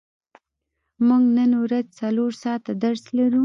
موږ نن ورځ څلور ساعته درس لرو.